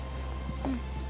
うん。